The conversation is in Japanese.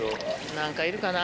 何かいるかな？